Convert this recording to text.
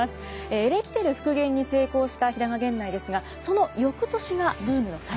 エレキテル復元に成功した平賀源内ですがその翌年がブームの最盛期となります。